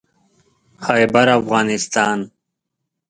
خيبرافغانستان